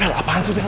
bel apaan sih bel